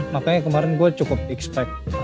makanya kemarin gue cukup expect